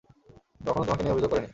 কখনো তোমাকে নিয়ে অভিযোগ করেনি।